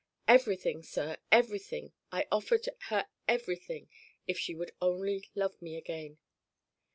Everything, sir, everything I offered her everything if she would only love me again.